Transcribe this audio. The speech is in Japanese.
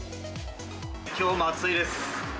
きょうも暑いです。